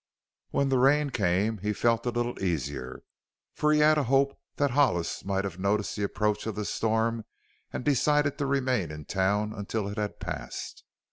When the rain came he felt a little easier, for he had a hope that Hollis might have noticed the approach of the storm and decided to remain in town until it had passed.